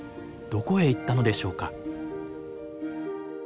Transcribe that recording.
どこへ行ったのでしょうか？